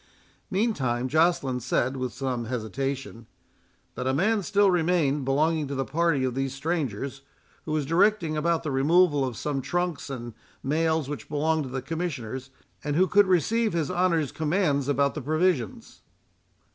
Meantime, Joceline said, with some hesitation, "that a man still remained, belonging to the party of these strangers, who was directing about the removal of some trunks and mails which belonged to the Commissioners, and who could receive his honour's commands about the provisions."